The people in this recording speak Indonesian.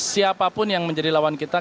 siapapun yang menjadi lawan kita